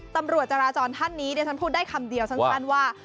ตำรวจจราจรท่านนี้จะพูดได้คำเดียวสังคัญว่า